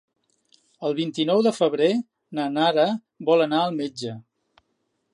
El vint-i-nou de febrer na Nara vol anar al metge.